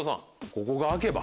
ここが開けば。